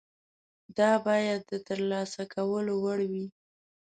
دا باید د ترلاسه کولو وړ وي.